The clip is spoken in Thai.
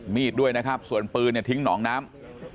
มีดด้วยนะครับส่วนปืนเนี่ยทิ้งหนองน้ำ